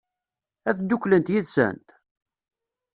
Ad dduklent yid-sent?